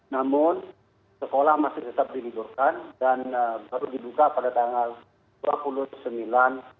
namun sekolah masih tetap diliburkan dan baru dibuka pada tanggal dua puluh sembilan